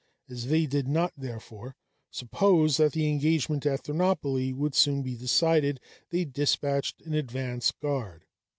As they did not, therefore, suppose that the engagement at Thermopylæ would so soon be decided, they despatched an advance guard.